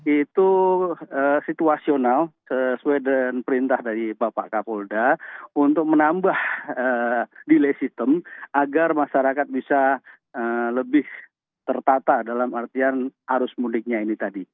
itu situasional sesuai dengan perintah dari bapak kapolda untuk menambah delay system agar masyarakat bisa lebih tertata dalam artian arus mudiknya ini tadi